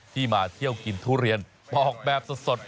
มาเที่ยวกินทุเรียนออกแบบสด